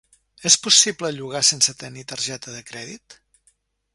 Es possible llogar sense tenir targeta de crèdit?